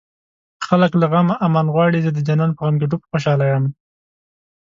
خلک له غمه امان غواړي زه د جانان په غم کې ډوب خوشاله يمه